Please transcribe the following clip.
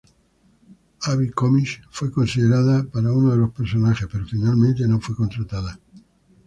Abbie Cornish fue considerada para uno de los personajes, pero finalmente no fue contratada.